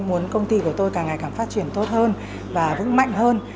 muốn công ty của tôi càng ngày càng phát triển tốt hơn và vững mạnh hơn